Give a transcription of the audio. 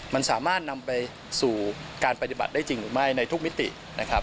มันสามารถนำไปสู่การปฏิบัติได้จริงหรือไม่ในทุกมิตินะครับ